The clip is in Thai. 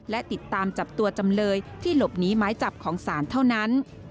และติดตามจับตัวจำเลยที่หลบหนีไม้จับของศาลเท่านั้น